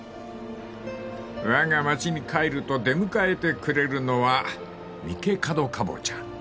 ［わが町に帰ると出迎えてくれるのは三毛門カボチャ］